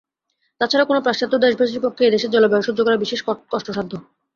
তা ছাড়া কোন পাশ্চাত্য দেশবাসীর পক্ষে এদেশের জলবায়ু সহ্য করা বিশেষ কষ্টসাধ্য।